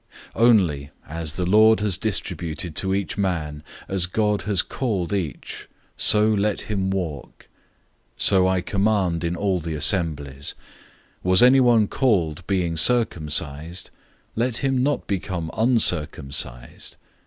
007:017 Only, as the Lord has distributed to each man, as God has called each, so let him walk. So I command in all the assemblies. 007:018 Was anyone called having been circumcised? Let him not become uncircumcised.